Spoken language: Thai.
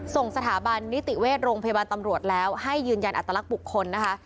ส่งสถาบันนิติเวชโรงพยาบาลตำรวจแล้วให้ยืนยันอัตลักษณ์บุคคลนะคะ